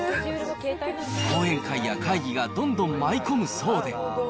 講演会や会議がどんどん舞い込むそうで。